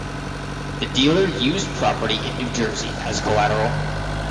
The dealer used property in New Jersey as collateral.